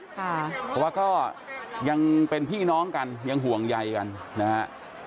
เพราะว่าก็ยังเป็นพี่น้องกันยังห่วงใยกันนะฮะ